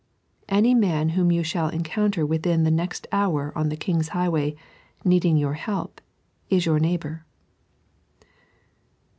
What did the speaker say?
Any man whom you shaU encounter within the next hour on the king's highway, needing your help, is your neighbour.